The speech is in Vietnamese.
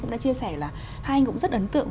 cũng đã chia sẻ là hai anh cũng rất ấn tượng